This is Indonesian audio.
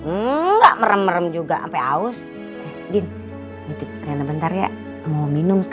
enggak merem juga sampai aus